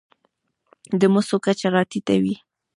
د مسو کچه راټېته وي.